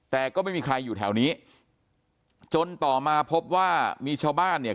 แต่ก็ไม่มีใครอยู่แถวนี้จนต่อมาพบว่ามีชาวบ้านเนี่ย